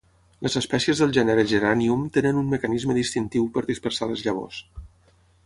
Les espècies del gènere Geranium tenen un mecanisme distintiu per dispersar les llavors.